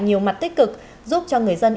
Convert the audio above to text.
nhiều mặt tích cực giúp cho người dân